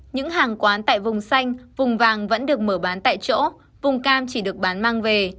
những hàng quán tại vùng xanh vùng vàng vẫn được mở bán tại chỗ vùng cam chỉ được bán mang về